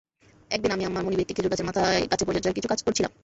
একদিন আমি আমার মনিবের একটি খেজুর গাছের মাথায় গাছের পরিচর্যার কিছু কাজ করছিলাম।